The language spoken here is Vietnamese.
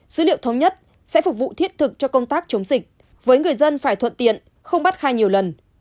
dữ liệu thống nhất sẽ phục vụ thiết thực cho công tác chống dịch với người dân phải thuận tiện không bắt khai nhiều lần